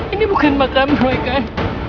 ini bukan maka roy kan